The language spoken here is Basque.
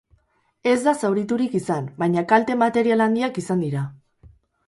Ez da zauriturik izan, baina kalte material handiak izan dira.